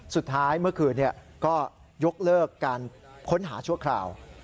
สุดท้ายเมื่อคืนก็ยกเลิกการค้นหาชั่วคราว